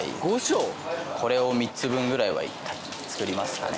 これを３つ分ぐらいは作りますかね。